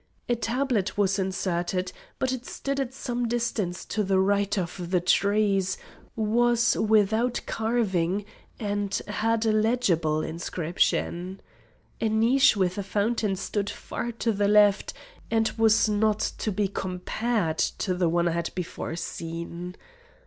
A tablet was inserted, but it stood at some distance to the right of the trees, was without carving, and had a legible inscription. A niche with a fountain stood far to the left, and was not to be compared to the one I had before seen.